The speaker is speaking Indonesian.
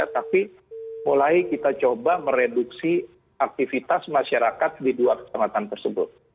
tapi mulai kita coba mereduksi aktivitas masyarakat di dua kecamatan tersebut